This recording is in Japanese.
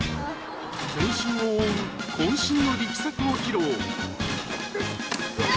全身を覆うこん身の力作を披露。